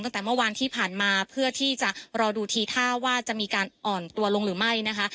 ตั้งแต่เมื่อวานที่ผ่านมาเพื่อที่จะรอดูทีท่าว่าจะมีการอ่อนตัวลงหรือไม่นะคะ